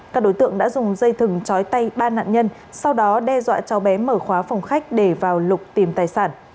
các đối tượng đã dùng dây thừng chói tay ba nạn nhân sau đó đe dọa cháu bé mở khóa phòng khách để vào lục tìm tài sản